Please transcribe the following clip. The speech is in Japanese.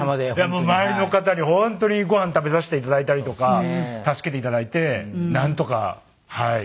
周りの方に本当にごはん食べさせていただいたりとか助けていただいてなんとかはい。